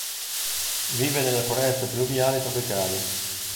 Vive nelle foreste pluviali tropicali.